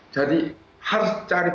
jadi harus cari cek